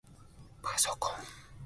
ぱそこん